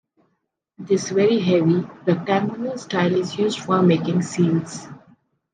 This very heavy, rectangular style is used for making seals.